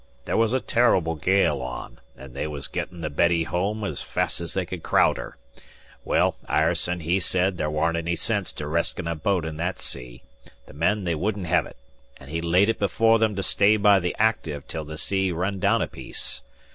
There was a terr'ble gale on, an' they was gettin' the Betty home 's fast as they could craowd her. Well, Ireson he said there warn't any sense to reskin' a boat in that sea; the men they wouldn't hev it; and he laid it before them to stay by the Active till the sea run daown a piece.